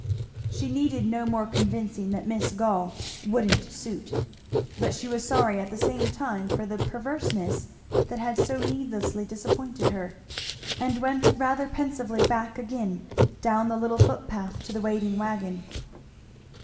She needed no more convincing that Miss Gall "wouldn't suit;" but she was sorry at the same time for the perverseness that had so needlessly disappointed her; and went rather pensively back again down the little foot path to the waiting wagon.